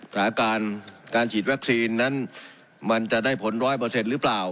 สถานการณ์การฉีดวัคซีนนั้นมันจะได้ผลร้อยเปอร์เซ็นต์หรือเปล่า